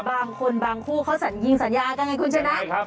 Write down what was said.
บางคนบางคู่เขาสัญญิงสัญญากันไงคุณชนะ